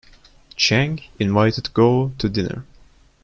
Cheng invited Guo to dinner.